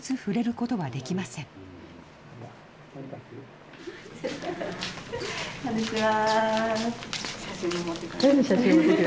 こんにちは。